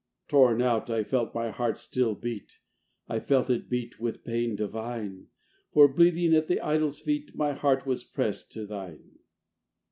Torn out, I felt my heart still beat, I felt it beat with pain divine; For, bleeding at the idol's feet, My heart was pressed to thine.